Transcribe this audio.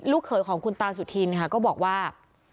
เขยของคุณตาสุธินค่ะก็บอกว่า